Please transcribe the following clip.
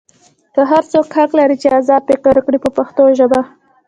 هر څوک حق لري چې ازاد فکر وکړي په پښتو ژبه.